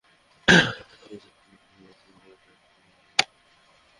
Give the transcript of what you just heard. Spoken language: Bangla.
প্রথমবার যখন ওকে দেখেছিলাম না, মন্দার বাবুর থেকে পালাচ্ছিলো।